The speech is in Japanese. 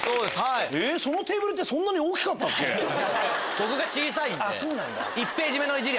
僕が小さいんで。